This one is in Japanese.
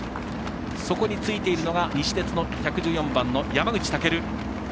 そこについているのが西鉄の１１４番、山口武。